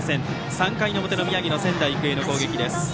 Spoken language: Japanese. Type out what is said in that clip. ３回の表の宮城の仙台育英の攻撃。